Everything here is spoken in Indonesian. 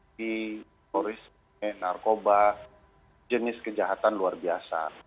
terorisme narkoba jenis kejahatan luar biasa